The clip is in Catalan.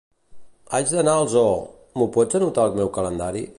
Haig d'anar al Zoo; m'ho pots anotar al meu calendari?